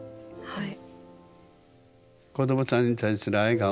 はい。